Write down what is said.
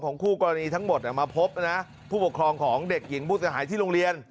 คู่กรณีทั้งหมดมาพบนะผู้ปกครองของเด็กหญิงผู้เสียหายที่โรงเรียน